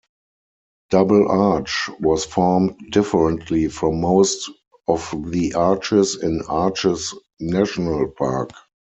Double Arch was formed differently from most of the arches in Arches National Park.